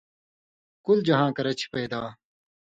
کُل جہان کرہ چھے پیدا